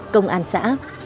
công an xã